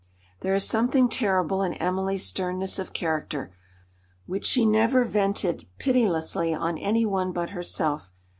There is something terrible in Emily's sternness of character, which she never vented pitilessly on any one but herself.